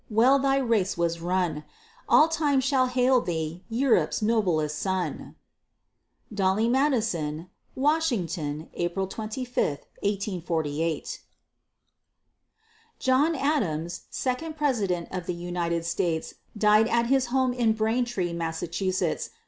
Well thy race was run! All time shall hail thee, Europe's noblest Son! DOLLY MADISON. Washington, April 25, 1848. John Adams, second President of the United States, died at his home in Braintree, Mass.